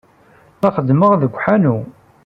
La xeddmeɣ deg uḥanu.